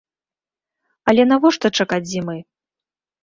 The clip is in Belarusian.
Але навошта чакаць зімы?